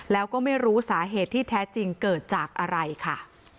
แล้วก็ไม่รู้สาเหตุที่แท้จริงเกิดจากอะไรค่ะ